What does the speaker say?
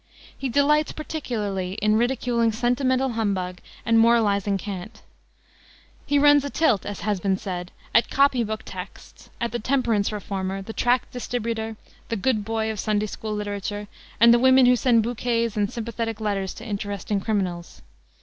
He delights particularly in ridiculing sentimental humbug and moralizing cant. He runs a tilt, as has been said, at "copy book texts," at the temperance reformer, the tract distributor, the Good Boy of Sunday school literature, and the women who send bouquets and sympathetic letters to interesting criminals.